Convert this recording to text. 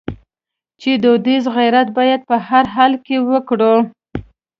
چې دودیز غیرت باید په هر حال کې وکړو.